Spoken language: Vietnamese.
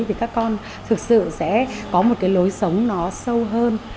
thì các con thực sự sẽ có một cái lối sống nó sâu hơn